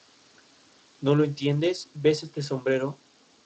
Posee en su cima un faro de buena factura.